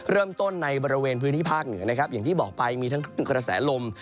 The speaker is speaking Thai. เริ่มต้นในบริเวณพื้นที่ภาคเหนือนะครับอย่างที่บอกไปมีทั้งกระแสลม